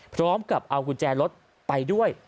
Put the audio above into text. พร้อมกับเอากุญแจรถไปด้วย